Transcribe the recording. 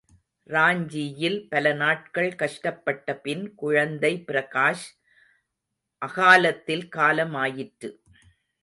ராஞ்சியில் பல நாட்கள் கஷ்டப்பட்ட பின், குழந்தை பிரகாஷ் அகாலத்தில் காலமாயிற்று.